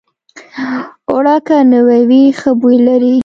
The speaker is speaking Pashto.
اوړه که نوي وي، ښه بوی لري